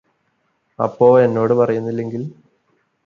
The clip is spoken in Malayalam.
അപ്പോ എന്നോട് പറയുന്നില്ലെങ്കില്